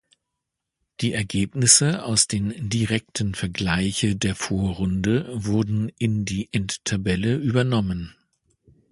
Die Ergebnisse aus den direkten Vergleiche der Vorrunde wurden in die Endtabelle übernommen.